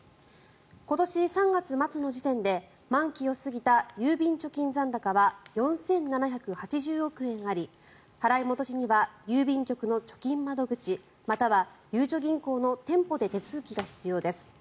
今年３月末の時点で満期を過ぎた郵便貯金残高は４７８０億円あり払い戻しには郵便局の貯金窓口または、ゆうちょ銀行の店舗で手続きが必要です。